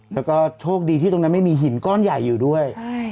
แล้วก็โชคดีที่ตรงนั้นไม่มีหินก้อนใหญ่อยู่ด้วย